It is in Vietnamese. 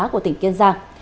của tỉnh kiên giang